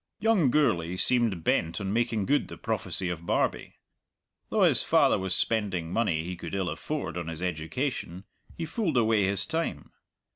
Young Gourlay seemed bent on making good the prophecy of Barbie. Though his father was spending money he could ill afford on his education, he fooled away his time.